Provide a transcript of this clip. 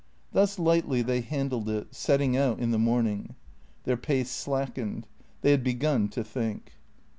Thus lightly they handled it, setting out in the morning. Their pace slackened. They had begun to think.